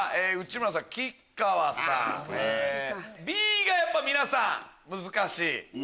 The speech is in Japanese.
Ｂがやっぱ皆さん難しい。